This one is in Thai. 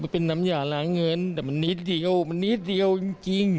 เป็นน้ำยาล้างเงินแต่มันนิดเดียวจริง